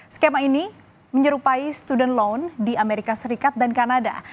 skema ini menyerupai student loan di amerika serikat dan kanada